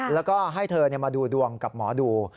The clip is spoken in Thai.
แล้วก็ให้เธอมาดูดวงกับหมอดู